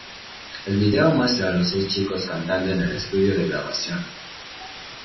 El video muestra a los seis chicos cantando en el estudio de grabación.